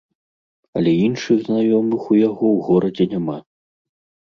Але іншых знаёмых у яго ў горадзе няма.